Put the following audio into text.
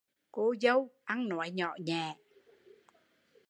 Cô dâu ăn nói nhỏ nhẹ